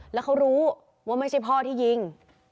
แล้วเขารู้ว่าไม่ใช่พ่อที่ยิง